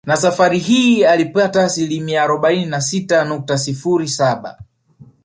Na safari hii alipata asilimia arobaini na sita nukta sifuri saba